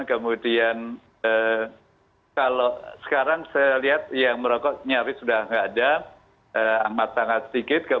kemudian kalau sekarang saya lihat yang merokok nyaris sudah tidak ada amat amat sedikit